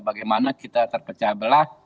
bagaimana kita terpercabalah